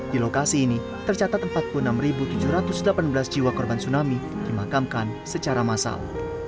di lokasi ini tercatat empat puluh enam tujuh ratus delapan belas jiwa korban tsunami dimakamkan secara massal